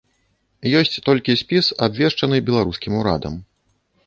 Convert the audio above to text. Ёсць толькі спіс, абвешчаны беларускім урадам.